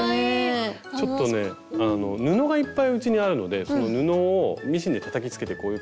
ちょっとね布がいっぱいうちにあるのでその布をミシンでたたきつけてこういう感じで。